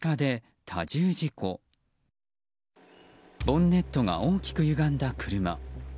ボンネットが大きくゆがんだ車。